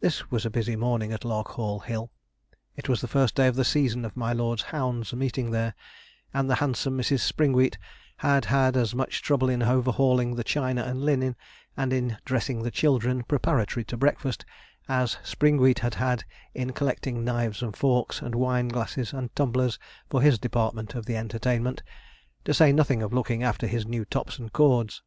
This was a busy morning at Larkhall Hill. It was the first day of the season of my lord's hounds meeting there, and the handsome Mrs. Springwheat had had as much trouble in overhauling the china and linen, and in dressing the children, preparatory to breakfast, as Springwheat had had in collecting knives and forks, and wine glasses and tumblers for his department of the entertainment, to say nothing of looking after his new tops and cords.